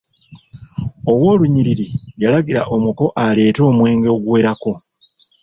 Owoolunyiriri yalagira omuko aleete omwenge oguwerako.